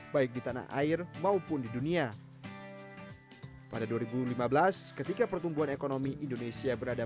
baik di tanah air maupun di dunia pada dua ribu lima belas ketika pertumbuhan ekonomi indonesia berada